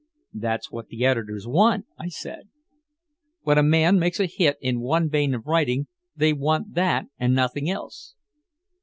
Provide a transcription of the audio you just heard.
"That's what the editors want," I said. "When a man makes a hit in one vein of writing they want that and nothing else."